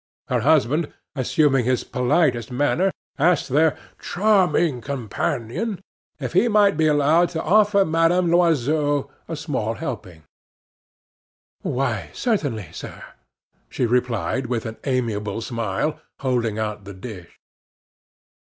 Her husband, assuming his politest manner, asked their "charming companion" if he might be allowed to offer Madame Loiseau a small helping. "Why, certainly, sir," she replied, with an amiable smile, holding out the dish.